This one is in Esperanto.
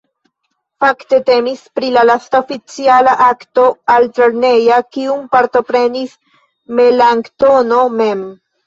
Fakte temis pri la lasta oficiala akto altlerneja kiun partoprenis Melanktono mem.